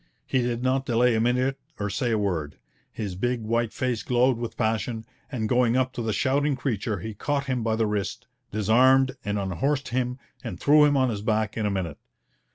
He did not delay a minute or say a word. His big white face glowed with passion, and going up to the shouting creature he caught him by the wrist, disarmed and unhorsed him, and threw him on his back in a minute.